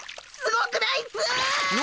ごくないっす！